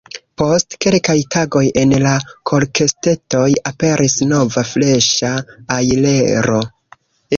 Post kelkaj tagoj en la kolkestetoj aperis nova freŝa ajlero.